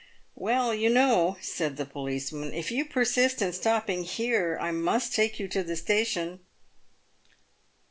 " "Well, you know," said the policeman, "if you persist in stopping here, I must take you to the station."